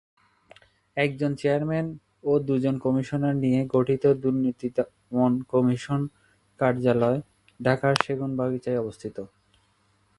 একজন চেয়ারম্যান ও দুজন কমিশনার নিয়ে গঠিত দুর্নীতি দমন কমিশন কার্যালয় ঢাকার সেগুনবাগিচায় অবস্থিত।